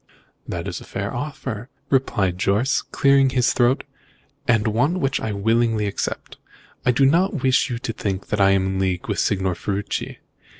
"That is a fair offer," replied Jorce, clearing his throat, "and one which I willingly accept. I do not wish you to think that I am in league with Signor Ferruci.